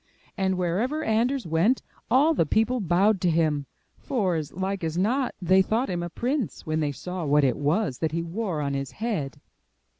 And wherever Anders went, all the people bowed to him, for, as like as not, they thought him a prince when they saw what it was that he wore on his head.